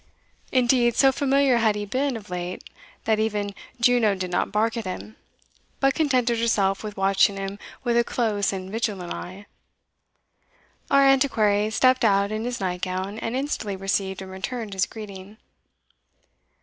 Indeed, so familiar had he been of late, that even Juno did not bark at him, but contented herself with watching him with a close and vigilant eye. Our Antiquary stepped out in his night gown, and instantly received and returned his greeting.